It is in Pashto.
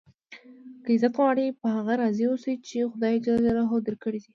که عزت غواړئ؟ په هغه راضي اوسئ، چي خدای جل جلاله درکړي دي.